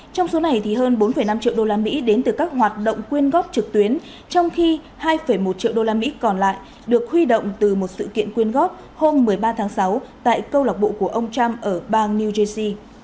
trong số này thì hơn bốn năm triệu đô la mỹ đến từ các hoạt động quyên góp trực tuyến trong khi hai một triệu đô la mỹ còn lại được huy động từ một sự kiện quyên góp hôm một mươi ba tháng sáu tại câu lạc bộ của ông trump ở bang new jc